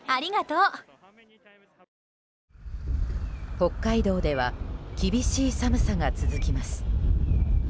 北海道では厳しい寒さが続きます。